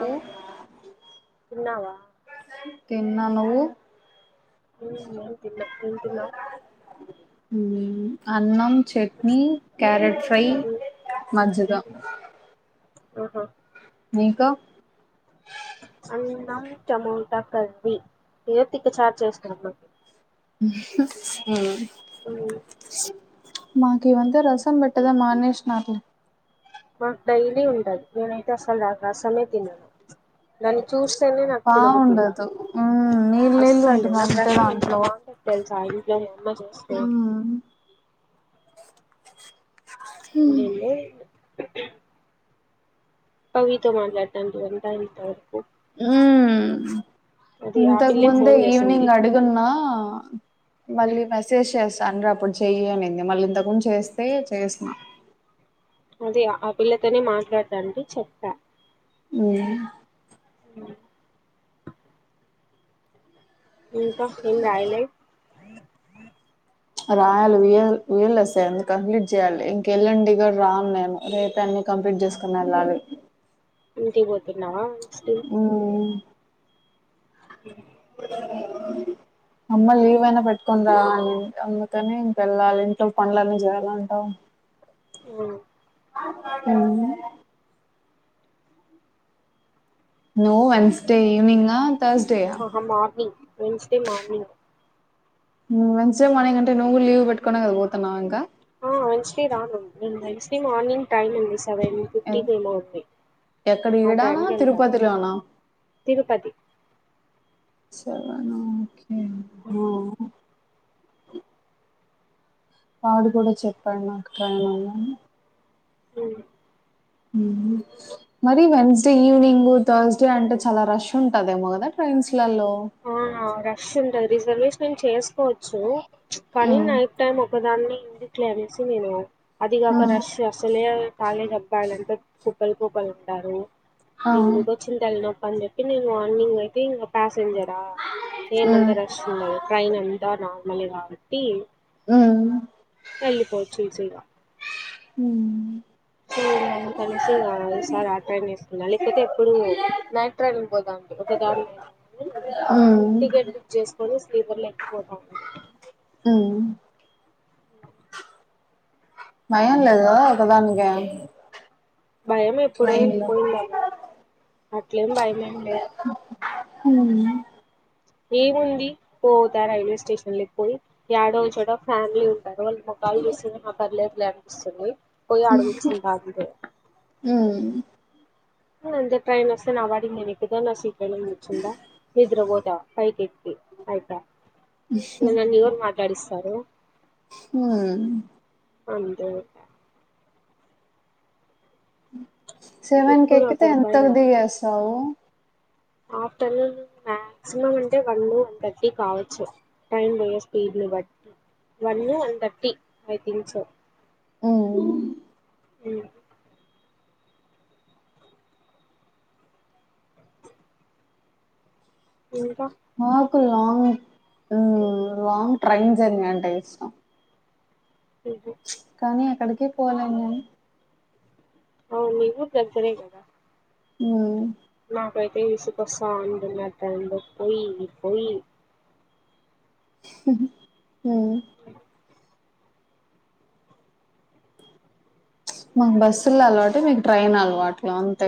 ఆ తిన్నావా తిన్న నువ్వు ఉ నతల అ అన్నం చట్నీ క్యారెట్ ఫ్రై మజ్జిగ ఆహా ఇంకా అన్నం టమోటా కర్రీ [unintelligible] ఉమ్, మాకి వంత రసం పెట్టదా మానేష్ నారు లే మాకు డైలీ ఉంటది నేనైతే అసలు ఆ రసమే తినను దాన్ని చూస్తేనే నాకు తినబూధి కాదు బాగుండదు ఉమ్ నీళ్ళు నీళ్ళు అస్సలు ఉంటుంది నాకు అంతే రసం ఎంత దాంట్లో బాగుంటదొ తెలుసా ఇంట్లోనే అమ్మ చేస్తే ఉమ్ ఎందోలె పవితో మాట్లాడతాంటివి అంట ఇంత వరకు ఉ అది ఆ ఇంతకు పిల్లే ముందే ఫోన్ చేసింది ఈవనింగ్ అడుగున్నా ఆ ఉమ్, మళ్ళీ మెసేజ్ చేస్త తండ్రి అప్పుడు చెయ్య అనింది మళ్ళీ ఇంతకు చేస్తే చేసిన్నా అదే ఆ పిల్లతోనే మాట్లాడతంటి చెప్పా ఉ ఇంత ఏం రాయలే రాయాలి వి య వి యా లే సే ఉంది కంప్లీట్ చేయ్యాలి ఇంకెళ్ళండి కూడా రాను నేను రేపే అన్ని కంప్లీట్ చేసుకుని వెళ్ళాలి ఇంటికి పోతున్నావా వెన్స్డే ఆ ఒకే అమ్మ లీవ్ అయినా పెట్టుకునిరా అనింది అందుకని ఇంక వెళ్ళాలి ఇంట్లో పనులన్నీ జేయాలంటా. ఆ మ్మ్ నువ్ వెన్స్డే ఈవెనింగా ఓహో మార్నింగ్ వెన్స్ డే మార్నింగ్ మంచిగ మార్నింగ్ అంటే నువ్వు కూడా లీవ్ పెట్టుకూని పోతున్నావు ఇంకా ఆ వెడ్నెస్డే రాను నేను వెడ్నెస్డే మార్నింగ్ టై సెవెన్ ఎన్- ఫిఫ్టీకి ఏమో ఉంది ఎక్కడ ఆ ఈడానా టైంకి వెళ్తాను తిరుపతిలోనా తిరుపతి సెవెన్ ఆ హా వాడు కూడా చెప్పాడు నాకు టైమ్ [inaudible] అ మరి వెన్స్డే ఈవినింగ్ థర్స్డే అంటే చాలా రష్ ఉంటదేమో కదా ట్రైన్స్ లలో ఆ రష్ ఉంటది రిజర్వేషన్ చేస్త కోవచ్చు కానీ హ్మ్. నైట్ టైమ్ ఒకదాన్ని ఎందుకు లే అనేసి నేను అది కాక హ్మ్. రష్ అసలే కాలేజ్ అబ్బాయాలంటే కుప్పలు కుప్పలు ఉంటారు ఆ! ఎందుకొచ్చింది తలనొప్పి చేపి నేను మార్నింగ్ అయితే ఇంకా ప సింజర్ ఏమంత హ్మ్. రష్ ఉండదు ట్రైన్ అంత నా మలరావతి హ్మ్. వెళ్ళలిపోచ్చు ఈజీ గా హ సో ఇకందుకనేసి ఇక ఈసారి ఆ ట్రైన్ చేకున్నా లేకపోతే ఎప్పుడు నైట్ ట్రైనింగ్ పోదామండి ఒక దనిలోయినా ఆవు చేస్కొని స్లీపర్ లో ఎక్కి పోతన అ భయం లేద ఒకదానికి భయం ఎప్పుడో వెళ్ళిపోయిందమ్వా అట్లేం బయమేం లేదు హ ఏముంది పోతా రైల్వే స్టేషన్లకి పోయి ఏడో ఒక చోట ఫ్యామిలీ ఉ వాళ్ళ మోకాలు చూసి ఇంకా పర్లేదు అనిపిస్తుంది పోయి ఆడ కూర్చుంటా అంతే ఉమ్ ట్రైన్ వస్తి నా పాటికి నేను ఎక్కుత నా సీటు ము కూర్చుంట నిద్ర పోత పైకి ఎక్కి అయిపోయా ఇంకా నన్ను ఎవరు మాట్లాడిస్తారు తరు హ అంతేగా [unintelligible] సేవన్ కు ఇప్పుడు ఎక్తే ఎంతకు ఒకరిపైన దిగేస్తావు [inaudible] ఆఫ్టర్నూన్ మాక్సిమం అంటే వన్ వన్ థర్టీ కావచ్చు ట్రెన్ పోయె స్పీడ్ ను బట్టి one one thirty I think అ అవున ఇంకా నాకు లాంగ్ లాంగ్ ట్రైన్ జెర్నీ అంటే ఇష్టం క [inaudible] కానీ ఎక్కడికి పోలేను నిను అవును నివ [unintelligible] కదా ఉ నాకైతే విసుగు వస్తాంద అన్నమాట అంద పోయి పోయి మ్మ్ హ్మ్ మాకు బస్సుల అలవాటు మీకు ట్రైన్ అలవాటు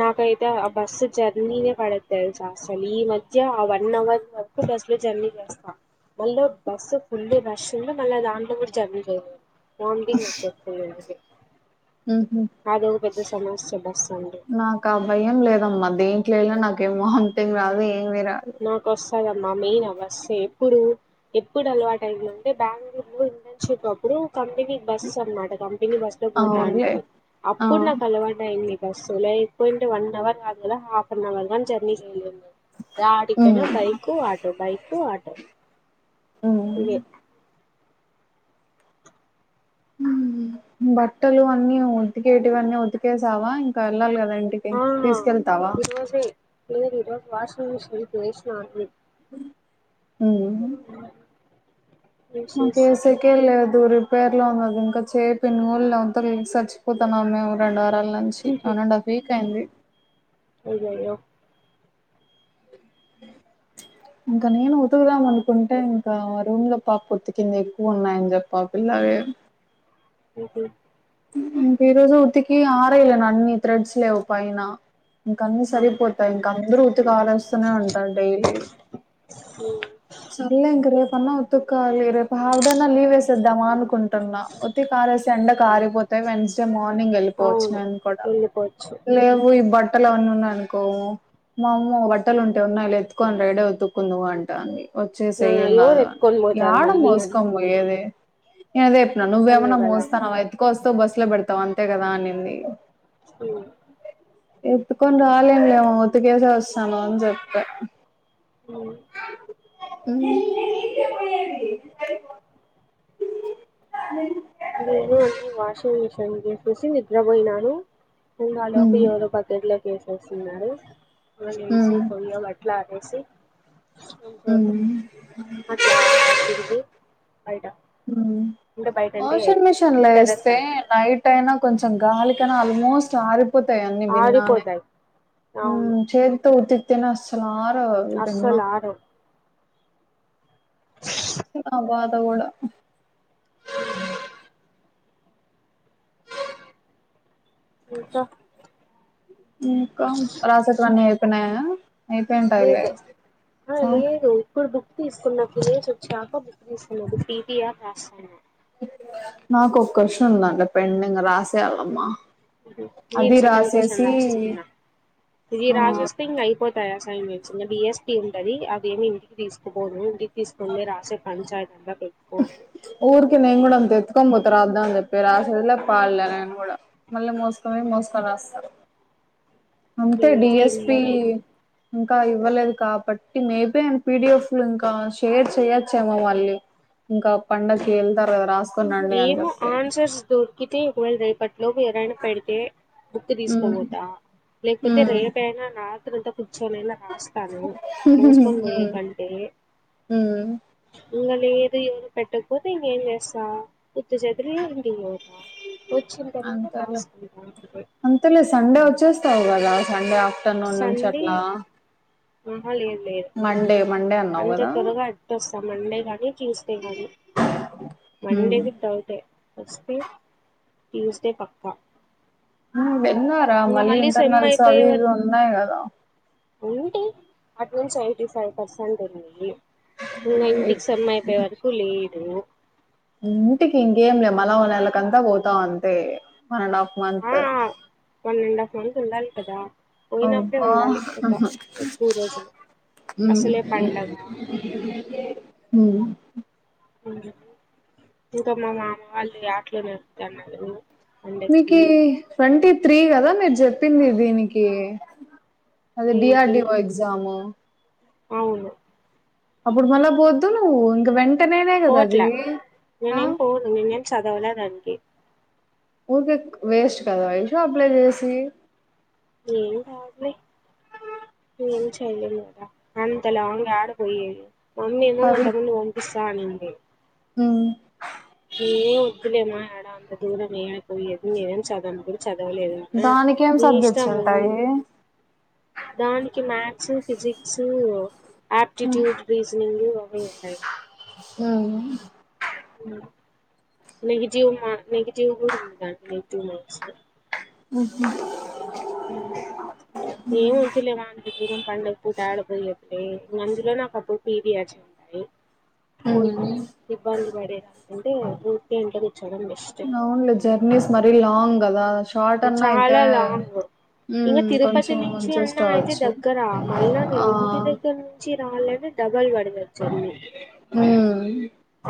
నాకైతే అబ్ బస్సు జర్నీనే పడదు తెలుసా అసలు ఈ మధ్య ఆ వన్ అవర్ వరకు బస్సు లో జర్నీ చేస్తా మళ్ళీ బస్సు ఫుల్ రస్ ఉండి మళ్ళీ దాంట్లో కూడా జర్నీ చేయంది వామ్ంటింగ్ వచ్చెంతుంది అందుకే ఉహు నాది ఎదొ పెద్ద సమస్య బస్సు అంటే నాకు భయం లేదమ్మా దేంట్లో వెళ్ళిన నాకేం వామ్ంటింగ్ రాదు ఏం నాకు వస్తాది అ మా మెయిన్ అవ్వస్ ఎప్పుడు ఎప్పుడు అలవాటై లో ఉంటే బెంగళూరు ఇంటర్న్ షిప్ అప్పుడు కంపెనీ బస్ అన్నమాట కంపెనీ బస్ లో అవునులే పోతాంటిమి ఆ అప్పుడు నాకు అలవాటు అయింది బస్సు లో ఐపోయింటే వన్ హవర్ కాదు హాఫ్ అన్ హవర్ గాని జెర్నీ చేయలేము యాటికీ ఉమ్ పోయినా bike auto bike bike auto ఇదే ఉమ్ బట్టలు అన్నీ ఉతికేటివన్నీ ఉతికేసావా ఇంకా వెళ్ళాలి కదా ఇంటికి ఆ తీసుకెళ్తావా ఈరోజే లేదు ఈరోజు వాషింగ్ మిషన్ కు వేసిన అన్ని ఔ అ మాకు ఏసేకే లేదు రిపేర్ లో ఉన్నాది ఇంకా చేపినేల అంత చచ్చిపోతాన్నాము మేము రెండు అప్పట్నుంచి వన్ అండ్ హఫ్ వీక్ అయింది అయ్యయ్యో ఇంకా నేను ఉతుకుదాం అనుకుంటే ఇంకా మా రూమ్ లో పాప ఉతికింది ఎక్కువ ఉన్నాయని చెప్పి ఆ పిల్ల ఎ ఉహు ఇంకా ఈ రోజు ఉతికి ఆరయలే అన్ని త్రెడ్స్ లేవు పైన ఇంకన్న అవును సరిపోతాయి ఇంక అందరు ఉతికి ఆరేస్తూనే ఉంటారు డైలీ సరలేే ఇంక రేపన్నా ఉత్తిక్కోవాలి రేపు హాఫ్ డేనా లీవ్ వేసేద్దామా అనుకుంటున్నా ఒత్తికి ఆరేస్తే ఎండకు ఆరిపోతాయి వెన్స్డే మార్నింగ్ వెళ్ళిపోవచ్చు అవును నేను కూడా వెళ్ళిపోవచ్చు లేవు ఇ బట్ బట్టలు అవన్నీ ఉన్నాయి అనుకో మామ్మో బట్టలు ఉంటే ఉన్నాయి లే ఎత్తుకొని రా ఈడే ఉతుకుందువు రా అంటాంది ఆ వచ్చేసేయ్ ఏమ్ ఎవరు కాదు గాన ఎత్తుకొని పోతారు యాడ మళ్ళీ అని మోసుకొని పోయ్యొది అదే అదే నువ్వేమన్నా కదా మోస్తన్నవ అయి కోస్తావ్ బస్సులో పెడతావు అంతే కదా అనింది స్కూల్ ఎత్తుకొని రాలేన్ లేమ్మ ఉతికేసే వస్తాను అని చెప్పా అవునా ఉ పని జేసెసి నిద్రబోయినాను ఇంగ ఆలోపు హ్మ్ ఎవరో పక్కకు లేప్ లేసెస్తున్నారు మల్లా లేసి హ్మ్ పొయా బట్లార ఎసి హ్మ్ అట్లా తిరిగి బయట అ అంటే బయట అంటే ఆషింగ్ మిషన్ లో టెర్రస్ ఏస్తే పైన బయటైన కొంచెం గాలి కాని ఆల్మోస్ట్ ఆరిపొ తాయి అన్ని భిన్నానే ఆరిపోతాయి అవును తేనే అస్సలు ఆరు అస్సలు ఆరవ్ సూడ్ నా బాద్ [unintelligible] అ ఇంకా ఇంకా రాసేటివన్ని అయిపయినాయ లేదు అహ ఆ లేదు ఇప్పుడు బుక్ తీసుకున్న అట్ల లేసి వచ్చాక బుక్ ఇప్పుడు టీటిఆర్ రాస్తన్న నాకు ఒక క్వశ్చన్ ఉందండి. పెండింగ్ రాసేయళ్ళమ్మా నేను సెకండ్ క్వశ్చన్ రాస్తా ఉన్నా ఇవి రాసిస్తే ఇంగ అయిపోతాయి. అసైన్మెంట్ చిన్న బి ఎస్ పి ఉంటది. అదేమి ఇంటికి తీసుకుపోను ఇంటికి తీసుకుంటేన రాసే పంచాయతీ అంద ఊర్కి నేను గూడ అంతా అయిత పట్టుకొని పోత రద్ద అని జెప్పి రాసెది లే పాడులే నేను కూడా మళ్ళ మోసుకొని పోయి మోసుకోని రాస్తారు. అంతే డి నేనైతే ఎస్ పీ ఇంట్లోనే ఇంకా ఇవ్వలేదు. కాబట్టి మేబి పీ డి ఫ్ఫ్లు ఇంకా షేర్ చేయొచ్చేమో మాళ్ళీ ఇంకా పండక్కి ఏళ్తారు. కదా రాసుకొనిరండి అని చెప్పి కుయాల్ రేపట్ లోపు ఎవరైనా పెడితే బుక్ ఉమ్ తీసుకోనీపోతా లేకపోతే ఉమ్ రేపూ అయినా రాత్రంత కూర్చో ఇళ్ళ రాస్తాను మోసుకొని పోయే ఉమ్ కంటే హ్మ్ ఇంగ లేదు ఏది పెట్టకపోతే ఇంకేం చేస్తాం. [unintelligible] వచ్చినా తర్వాత అంతేలే రాసుకుంట [inaudible] యా సండే ఆ ఆఫ్టర్నూన్ నుంచి అట్లా ఉ మండే మండే అన్నావు గాదా త్వరగా ఎట్టొస్తా మండే గని ట్యూస్డే గానీ మండే హ్మ్ విత్ డౌటే వస్తే ట్యూస్డే పక్క ఆ విన్నారా మళ్ళీ ఇంటర్నల్స్ అవి ఇవి ఉన్నాయి గాదా అంటే అటు నుంచి ఎయిటీ ఫైవ్ పర్సెంట్ ఉన్నాయి. ఇంగ ఇ- ఇంటికి సేమ్ అయిపోయే వరకు లేదు. ఇంటికి ఇంకేం లే మనం ఓ నెలకంతా పోతాం అంతే వన్ అండ్ హఫ్ మంత్ ఆ వన్ అండ్ హాఫ్ మంత్ ఉండాలి కదా పోయినప్పుడే అబ్బా ఉండాలి ఒక హ్ ఎక్కువ రోజులు అసలే పండగ హ్ ఇంకా మా మామ వాళ్ళు యట్లు నరుకుతన్నారు. మీకి ట్వంటీ త్రీ గాదా మీరు చెప్పింది. దీనికి అదే డి ఆర్ దేనికి డిఓ ఎక్జము అవును అప్పుడు మళ్ళా పోద్దు నువ్ ఇంక వెంట ఇంట ననే కదా అదిీ పోవట్లా ఆ చదవవులే దానికి ఊకే వేస్ట్ కదా వైషు అప్లై చేసి ఏం కాదులే ఏం చేయలేం కద అంత లాంగ్ యాడ పోయేది మమ్మీ ఏమో మా తమ్ముని పంపిస్తా అనింది హ ఎమ్ వద్దులె మయ్ ఆడ దూరం ఏ అయి పోయదు ఏం చదవదు చదవలేదు దానికేం నీ సబ్జెక్ట్స్ ఇష్టము ఉంటాయి దానికి మ్య చు ఫిజిక్సు ఆప్టిట్యూడ్ రీజనింగ్ అవే ఉంటయి ఉ నెగిటివ్ మా నెగటివ్ కూడా ఉందండి ఉ నెగిటివ్ మార్క్స్ ఊహు ఏం ఉంచలేదా అనిపిస్తే పండగ పూట ఆడపిల్ల వస్తే అందులో నాకు అప్పుడు పీరియడ్స్ ఉంటాయి పోయ్యి ఇబ్బంది పడే ఉంటే ఊరికే ఇంట్లో కూర్చో అవున్లే జెర్నీస్ మరి లాంగ్ గదా చాలా లాంగ్ ఇంక ఉమ్ తిరుపతి కొంచెం నుంచి అడ్జస్ట్ అన్నా అయితే అవచ్చు దగ్గర మళ్ళా నేను ఆ ఇంటి దగ్గర నుంచి రావాలంటే ముగ్గల్ పడి సచ్చేది జర్నీ ఉమ్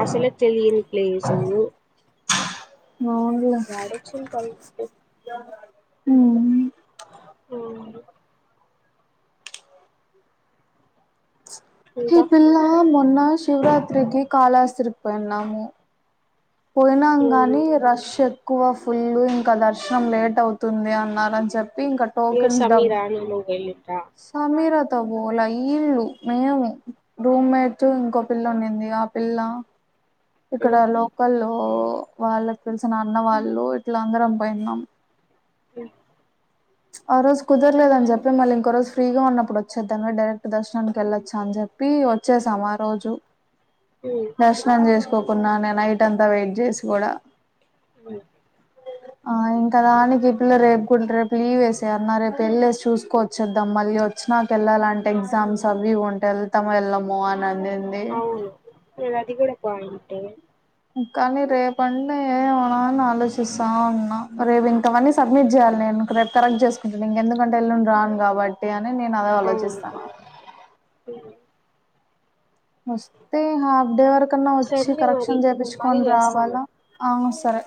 అసల తెలియని ప్లేసు యాడవచ్చింది తల్లి ఉమ్ ఉమ్ ఈ ఇంకా పిల్ల మో న్నా శివరాత్రికి కాళహస్త్రి కి పోయినము పోయినాం ఎవరు కానీ రష్ ఏక్ ఎక్కువ ఫుల్ ఇంకా దర్శనం లేట్ అవుతుంది అన్నరు అని చెప్ ఏ సమిర్రని హోగయి సమీరత్ పోల ఈల్లు మేము రూమ్ మేట్స్ ఇంకో పిల్ల ఉండింది ఆ పిల్ల ఇక్కడ ఉమ్ లోకల్లో ఓ వాళ్ళకి తెలిసిన అన్న వాళ్ళు ఇట్లా అందరం పోయిన్నాం హ్మ్ ఆ రోజు కుదరలేదని చెప్పి మళ్ళీ ఇంకో రోజు ఫ్రీగా ఉన్నప్పుడు వచ్చేద్దాను డైరెక్ట్ దర్శనానికి వెళ్ళొచ్చా అని చెప్పి వచ్చేసాం ఆ రోజు దర్శనం చేస్కో తీసుకోకున్నా నేన్ నైట్ అంతా వెయిట్ చేసి కూడా అవును ఆ ఇంకా దానికి ఈ పిల్ల రేపు కూడా రేపు లీవ్ వేసే అన్నా రేపు వెళ్ళేసి చూసుకో వచ్చేద్దాం మళ్ళీ వచ్చినాకా వెళ్ళాలంటే ఎగ్జామ్స్ అవి ఇవి ఉంటాయ్ వెళ్తామో వెళ్ళమో అని అనింది అవును నేను అది కూడా పాయింట్ కానీ రేపంటే ఏమన అని ఆలోచిస్తా ఉన్నా రేపింక అవన్నీ సబ్మిట్ జేయాలి నేను రేపు కరెక్ట్ చేసుకుంటాను ఇంకెందుకంటే ఎల్లుండి రాన్ గాబట్టి అని నేను అదే అవును ఆలోచిస్తన్న హ్మ్. వొస్తే హాఫ్ డే వరక్ కన్న వొచ్చి సర్లే మరి కరెక్షన్ నేను మళ్ళీ టేపించ్చుకొన్ రావల్ల చేస్తాను అవునుస్ తరు